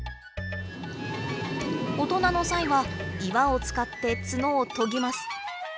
大人のサイは岩を使って角を研ぎます。